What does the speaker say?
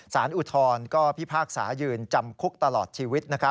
อุทธรณ์ก็พิพากษายืนจำคุกตลอดชีวิต